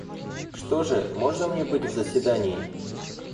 Что же, можно мне быть в заседании?